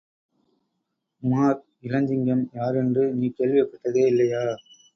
உமார் இளஞ்சிங்கம் யார் என்று நீ கேள்விப்பட்டதே இல்லையா?